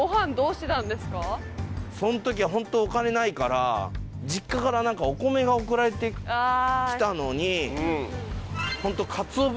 その時はホントお金ないから。が送られて来たのに。